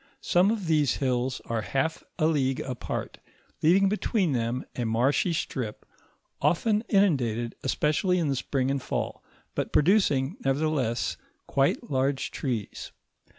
Some of these hills are half a league apart, leaving between them a marshy strip often inundated, especially in the spring and fall, but producing, nevertheless, quite large trees.